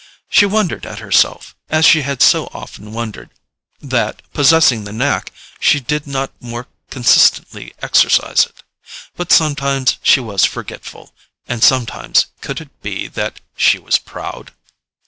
She wondered at herself, as she had so often wondered, that, possessing the knack, she did not more consistently exercise it. But sometimes she was forgetful—and sometimes, could it be that she was proud?